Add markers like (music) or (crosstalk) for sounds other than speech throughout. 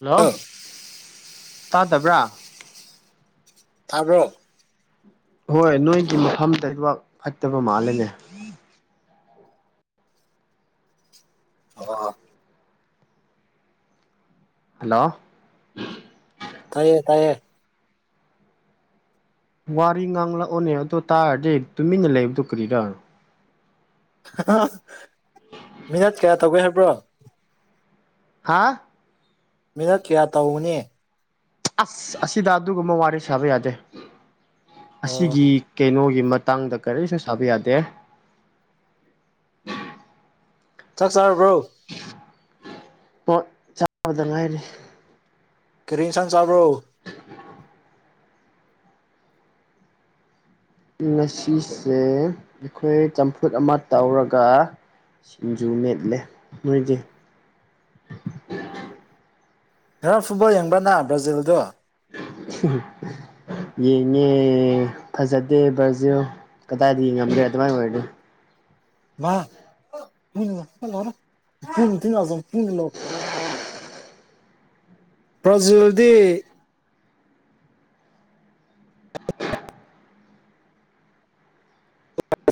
hello ꯑ ꯇꯥꯗꯕ꯭ꯔꯥ ꯇꯥꯕ꯭ꯔꯣ ꯍꯣꯏ ꯅꯣꯏꯒꯤ ꯃꯐꯝꯗꯣ ꯅꯦꯠꯋꯥꯛ ꯐꯠꯇꯕ ꯃꯥꯜꯂꯦꯅꯦ ꯑꯣ ꯍꯜꯂꯣ ꯇꯥꯏꯌꯦ ꯇꯥꯏꯌꯦ ꯋꯥꯔꯤ ꯉꯥꯡꯂꯛꯑꯣꯅꯦ ꯑꯗꯨ ꯇꯥꯔꯗꯤ ꯇꯨꯃꯤꯟꯅ ꯂꯩꯕꯗꯨ ꯀꯔꯤꯔ ꯍꯍꯥ ꯃꯤꯅꯠ ꯀꯌꯥ ꯇꯧꯒꯦ ꯍꯥꯏꯕ꯭ꯔꯣ ꯍꯥꯥ ꯃꯤꯅꯠ ꯀꯌꯥ ꯇꯧꯒꯅꯤ ꯑꯁ ꯑꯁꯤꯗ ꯑꯗꯨꯒꯨꯝꯕ ꯋꯥꯔꯤ ꯁꯥꯕ ꯌꯥꯗꯦ ꯑꯣ ꯑꯁꯤꯒꯤ ꯀꯩꯅꯣꯒꯤ ꯃꯇ ꯇꯥꯡꯗ ꯀꯔꯤꯁꯨ ꯁꯥꯕ ꯌꯥꯗꯦ ꯆꯥꯛ ꯆꯥꯔꯕ꯭ꯔꯣ ꯍꯣꯏ ꯆꯥꯕꯗ ꯉꯥꯏꯔꯤ ꯀꯔꯤ ꯏꯟꯁꯥꯡ ꯆꯥꯕ꯭ꯔꯣ (inaudible) ꯉꯁꯤꯁꯦ ꯑꯩꯈꯣꯏ ꯆꯝꯐꯨꯠ ꯑꯃ ꯇꯧꯔꯒꯥ ꯁꯤꯡꯖꯨ ꯃꯦꯠꯂꯦ ꯅꯣꯏꯗꯤ ꯉꯔꯥꯡ ꯐꯨꯠꯕꯣꯜ ꯌꯦꯡꯕ꯭ꯔ ꯅꯥ ꯕ꯭ꯔꯥꯖꯤꯜꯗꯣ ꯌꯦꯡꯉꯦ ꯐꯖꯗꯦ ꯕ꯭ꯔꯥꯖꯤꯜ ꯀꯗꯥꯏꯗꯒꯤ ꯉꯝꯂꯦ ꯑꯗꯨꯃꯥꯏ ꯑꯣꯏꯔꯗꯤ (unintelligible) ꯕ꯭ꯔꯥꯖꯤꯜꯗꯤ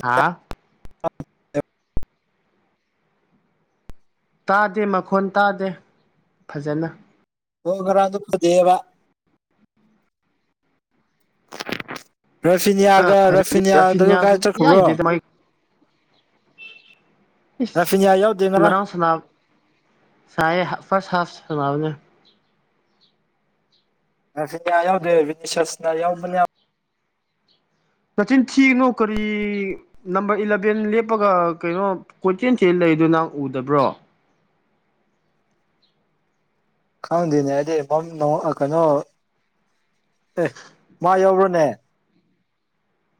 ꯍꯥꯥ (unintelligible) ꯇꯥꯗꯦ ꯃꯈꯣꯟ ꯇꯥꯗꯦ ꯐꯖꯅ ꯑꯣ ꯉꯔꯥꯡꯗꯣ ꯐꯖꯩꯑꯦꯕ ꯑꯥ ꯔꯥꯐꯤꯅꯤꯌꯥꯒ ꯐꯖꯗꯦ ꯔꯥꯐꯤꯅꯤꯌꯥꯗꯣ ꯔꯥꯐꯤꯅꯤꯌꯥꯁꯨ ꯀꯥꯏ ꯏꯌꯥ ꯆꯠꯈ꯭ꯔꯕ꯭ꯔꯣ ꯌꯥꯗꯦꯗ ꯃꯥꯏ ꯔꯥꯐꯤꯅꯤꯌꯥ ꯏꯁ ꯌꯥꯎꯗꯦ ꯉꯔꯥꯡ ꯁꯅꯥ ꯁꯥꯏꯌꯦ ꯐꯔꯁ ꯍꯥꯐ ꯁꯅꯥꯕꯅꯦ ꯔꯥꯐꯤꯅꯤꯌꯥ ꯌꯥꯎꯗ꯭ꯔꯦ ꯕꯤꯅꯤꯁꯤꯌꯁꯅ ꯌꯥꯎꯕꯅꯦ ꯅꯆꯤꯟ ꯊꯤꯅꯨ ꯀꯔꯤ ꯅꯝꯕꯔ ꯏꯂꯚꯦꯟ ꯂꯦꯞꯄꯒ ꯀꯩꯅꯣ ꯀꯣꯏꯆꯦꯟ ꯆꯦꯜ ꯂꯩꯗꯣ ꯅꯪ ꯎꯗꯕ꯭ꯔꯣ ꯈꯪꯗꯦꯅꯦ ꯑꯩꯗꯤ ꯄꯝꯅꯣ ꯑ ꯀꯩꯅꯣ ꯑꯦ ꯃꯥ ꯌꯥꯎꯕ꯭ꯔꯣꯅꯦ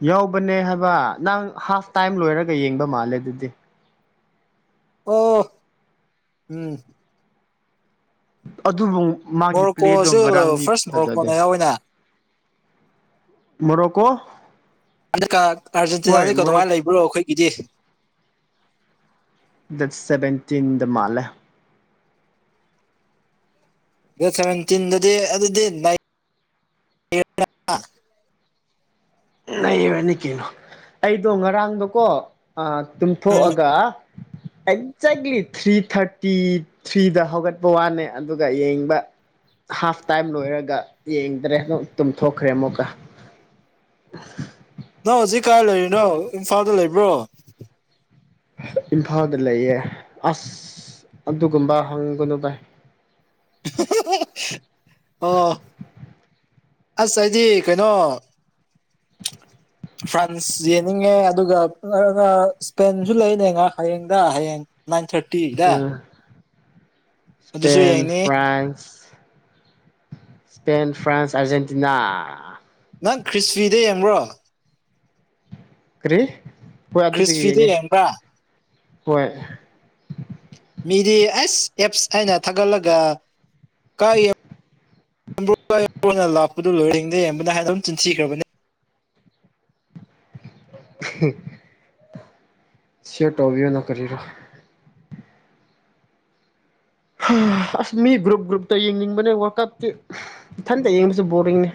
ꯌꯥꯎꯕꯅꯦ ꯍꯥꯏꯕ ꯅꯪ ꯍꯥꯐ ꯇꯥꯏꯝ ꯂꯣꯏꯔꯒ ꯌꯦꯡꯕ ꯃꯥꯜꯂꯦ ꯑꯗꯨꯗꯤ ꯑꯣ ꯎꯝ ꯑꯗꯨꯕꯨ ꯃꯥꯒꯤ ꯄ꯭ꯂꯦꯗꯣ ꯃꯣꯔꯣꯀꯣꯁꯨ ꯉꯔꯥꯡꯗꯤ ꯐꯥꯔꯁ ꯐꯖꯗꯦ ꯃꯣꯔꯣꯀꯣꯅ ꯌꯥꯎꯋꯤꯅ ꯃꯣꯔꯣꯀꯣ ꯍꯟꯗꯛꯀꯥ ꯍꯣꯏ ꯑꯥꯔꯖꯦꯟꯇꯤꯅꯥꯗꯤ ꯃꯣꯔꯣꯛ ꯀꯩꯗꯧꯉꯩ ꯂꯩꯕ꯭ꯔꯣ ꯑꯩꯈꯣꯏꯒꯤꯗꯤ ꯗꯦꯠ ꯁꯦꯚꯦꯟꯇꯤꯟ ꯗ ꯃꯥꯜꯂꯦ ꯗꯦꯠ ꯁꯚꯦꯟꯇꯤꯟꯗꯨꯗꯤ ꯑꯗꯨꯗꯤ ꯅꯩ ꯅꯩꯔꯅꯤ ꯀꯩꯅꯣ ꯑꯩꯗꯣ ꯉꯔꯥꯡꯗꯣꯀꯣ ꯑꯥ ꯎꯝ ꯇꯨꯝꯊꯣꯛꯑꯒ ꯑꯦꯛꯖꯦꯛꯂꯤ ꯊ꯭ꯔꯤ ꯊꯔꯇꯤ ꯊ꯭ꯔꯤꯗ ꯍꯧꯒꯠꯄ ꯋꯥꯅꯦ ꯑꯗꯨꯒ ꯌꯦꯡꯕ ꯍꯥꯐ ꯇꯥꯏꯝ ꯂꯣꯏꯔꯒ ꯌꯦꯡꯗ꯭ꯔꯦ ꯗꯨꯝ ꯇꯨꯝꯊꯣꯛꯈ꯭ꯔꯦ ꯑꯃꯨꯛꯀ (unintelligible) ꯅꯪ ꯍꯧꯖꯤꯛ ꯀꯥꯏ ꯂꯩꯔꯤꯅꯣ ꯏꯝꯐꯥꯜꯗ ꯂꯩꯕ꯭ꯔꯣ ꯏꯝꯐꯥꯜꯗ ꯂꯩꯌꯦ ꯑꯁ ꯑꯗꯨꯒꯨꯝꯕ ꯍꯪꯒꯅꯨ ꯚꯥꯏ (unintelligible) ꯑꯣ ꯑꯁ ꯑꯩꯗꯤ ꯀꯩꯅꯣ ꯐ꯭ꯔꯥꯟꯁ ꯌꯦꯡꯅꯤꯡꯉꯦ ꯑꯗꯨꯒ ꯑꯒ ꯁ꯭ꯄꯦꯟꯖꯨ ꯂꯩꯅꯦ ꯉꯥ ꯍꯌꯦꯡꯗ ꯍꯌꯦꯡ ꯅꯥꯏꯟ ꯊꯥꯔꯇꯤ ꯗ ꯎꯝ ꯑꯗꯨꯁꯨ ꯌꯦꯡꯅꯤ ꯐ꯭ꯔꯥꯏꯟꯁ (inaudible) ꯏꯁꯄꯦꯟ ꯐ꯭ꯔꯥꯟꯁ ꯑꯔꯖꯦꯟꯇꯤꯅꯥ ꯅꯪ ꯈ꯭ꯔꯤꯁꯕꯤꯗ ꯌꯦꯡꯕ꯭ꯔꯣ ꯀꯔꯤ ꯍꯣꯏ ꯑꯗꯨꯗ ꯈ꯭ꯔꯤꯁꯐꯤꯗ ꯌꯦꯡꯉꯦ ꯌꯦꯡꯕ꯭ꯔꯥ ꯍꯣꯏ ꯃꯤꯗꯤ ꯑꯦꯁ ꯑꯦꯞꯁ ꯍꯥꯏꯅ ꯊꯥꯒꯠꯂꯒ ꯀꯒꯤ ꯅ ꯂꯥꯛꯄꯗꯨ ꯂꯣꯏꯔꯔꯤꯩ ꯌꯦꯡꯕꯅ ꯍ ꯍꯥꯏꯅ ꯑꯗꯨꯝ ꯆꯤꯟꯁꯤꯈ꯭ꯔꯕꯅꯤ (unintelligible) (unintelligible) ꯁꯤꯌꯔ ꯇꯧꯕꯤꯑꯣꯅ ꯀꯔꯤꯔꯣ ꯑꯁ ꯃꯤ ꯒ꯭ꯔꯨꯞ ꯒ꯭ꯔꯨꯞꯇ ꯌꯦꯡꯅꯤꯡꯕꯅꯦ ꯋꯥꯔꯀꯞꯇꯤ ꯏꯊꯟꯇ ꯌꯦꯡꯕꯁꯨ ꯕꯣꯔꯤꯡꯅꯤ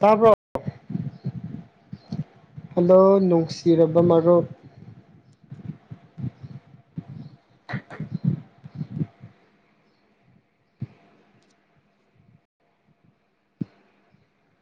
ꯇꯥꯕ꯭ꯔꯣ ꯍꯜꯂꯣ ꯅꯨꯡꯁꯤꯔꯕ ꯃꯔꯨꯞ